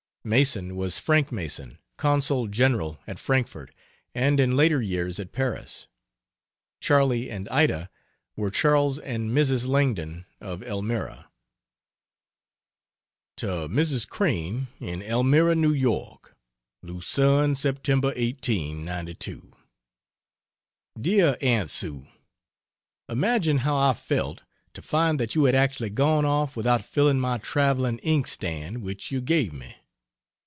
"Mason" was Frank Mason, Consul General at Frankfort, and in later years at Paris. "Charlie and Ida" were Charles and Mrs. Langdon, of Elmira. To Mrs. Crane, in Elmira, N. Y.: LUCERNE, Sept. 18, '92. DEAR AUNT SUE, Imagine how I felt to find that you had actually gone off without filling my traveling ink stand which you gave me!